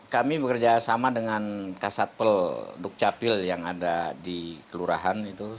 kami bekerja sama dengan kasatpol dukcapil yang ada di kelurahan itu